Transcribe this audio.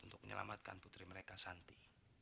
untuk menyelamatkan putri mereka santi